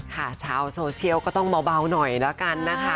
ค่ะชาวโซเชียลก็ต้องเบาหน่อยแล้วกันนะคะ